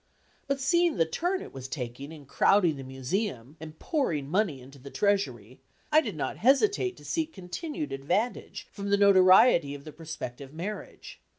But seeing the turn it was taking in crowding the Museum, and pouring money into the treasury, I did not hesitate to seek continued advantage from the notoriety of the prospective marriage.